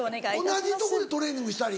同じとこでトレーニングしたり？